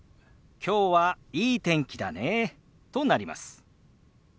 「きょうはいい天気だね」となります。